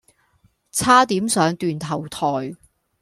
差點上斷頭臺